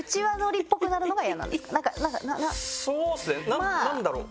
そうですね何だろう？